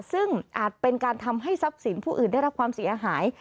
ซึ่งอาจเป็นการทำให้ทรัพย์สินผู้อื่นได้รับความเสียหาย